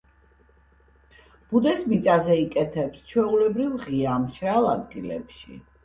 ბუდეს მიწაზე იკეთებს, ჩვეულებრივ ღია, მშრალ ადგილებში.